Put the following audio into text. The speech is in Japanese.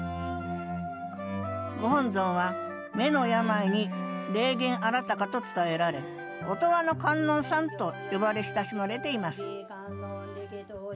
ご本尊は目の病に霊験あらたかと伝えられ「音羽の観音さん」と呼ばれ親しまれています